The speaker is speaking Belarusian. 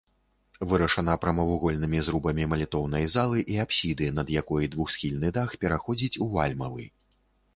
Вырашана прамавугольнымі зрубамі малітоўнай залы і апсіды, над якой двухсхільны дах пераходзіць у вальмавы.